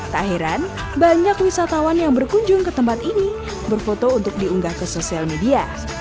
tak heran banyak wisatawan yang berkunjung ke tempat ini berfoto untuk diunggah ke sosial media